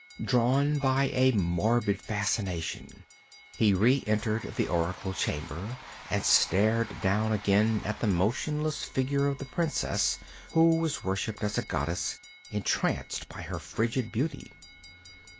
Drawn by a morbid fascination, he re entered the oracle chamber and stared down again at the motionless figure of the princess who was worshipped as a goddess, entranced by her frigid beauty.